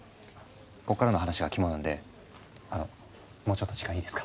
ここからの話がキモなんであのもうちょっと時間いいですか？